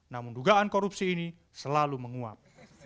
namun dugaan korupsi ini selalu menguap